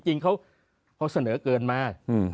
จริงเขาเสนอเกินมา